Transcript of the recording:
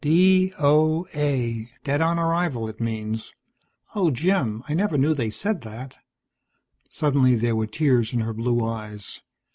"D.O.A. Dead on arrival, it means. Oh, Jim, I never knew they said that." Suddenly there were tears in her blue eyes.